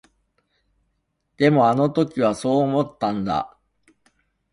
でも、あの時はそう思ったんだ。